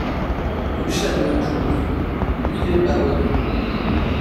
Rue Chanoine Jouve, Buis-les-Baronnies